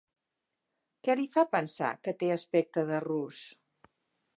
Què li fa pensar que té aspecte de rus?